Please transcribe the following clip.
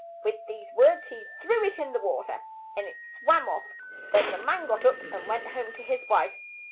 With these words he threw it in to the wa ter, and it swam off. Then the man got up and went home to his wife.